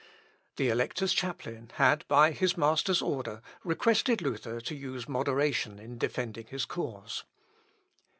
The Elector's chaplain had, by his master's order, requested Luther to use moderation in defending his cause.